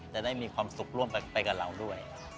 จะได้มีความสุขร่วมไปกับเราด้วย